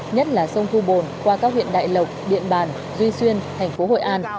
nhất là sông thu bồn qua các huyện đại lộc điện bàn duy xuyên thành phố hội an